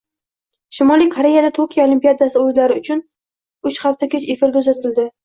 Shimoliy Koreyada Tokio Olimpiadasi o‘yinlari uch hafta kech efirga uzatildi